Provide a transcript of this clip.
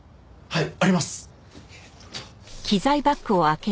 はい。